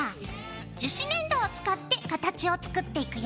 樹脂粘土を使って形を作っていくよ！